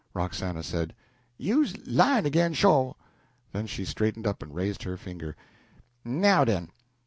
Roxana said "You's lyin' ag'in, sho." Then she straightened up and raised her finger: "Now den!